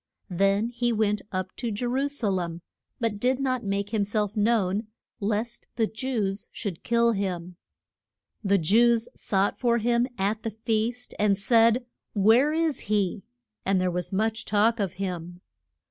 Then he went up to Je ru sa lem, but did not make him self known lest the Jews should kill him. The Jews sought for him at the feast, and said, Where is he? And there was much talk of him.